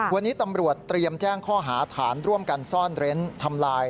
วันนี้ตำรวจเตรียมแจ้งข้อหาฐานร่วมกันซ่อนเร้นทำลาย